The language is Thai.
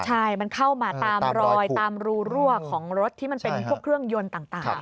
ใช่มันเข้ามาตามรอยตามรูรั่วของรถที่มันเป็นพวกเครื่องยนต์ต่าง